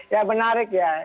ya menarik ya